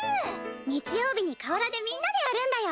日曜日に河原でみんなでやるんだよ！